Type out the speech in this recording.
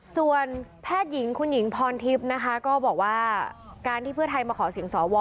ส่วนแพทย์หญิงคุณหญิงพรทิพย์นะคะก็บอกว่าการที่เพื่อไทยมาขอเสียงสว